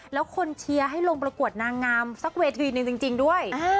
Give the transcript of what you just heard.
แล้วคนเชียร์ให้ลงประกวดนางงามสักเวทีหนึ่งจริงด้วย